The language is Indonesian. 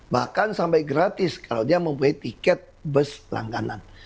bahkan sampai gratis kalau dia mempunyai tiket bus langganan